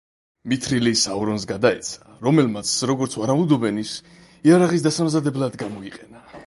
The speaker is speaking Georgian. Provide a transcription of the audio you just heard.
მითრილი საურონს გადაეცა, რომელმაც, როგორც ვარაუდობენ, ის იარაღის დასამზადებლად გამოიყენა.